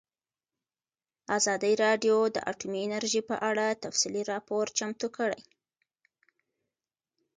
ازادي راډیو د اټومي انرژي په اړه تفصیلي راپور چمتو کړی.